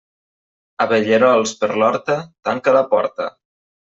Abellerols per l'horta, tanca la porta.